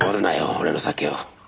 俺の酒を。